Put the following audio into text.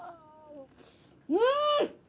うん！